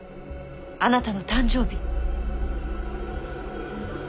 あなたの誕生日。